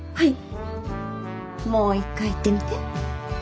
もう一回言ってみて。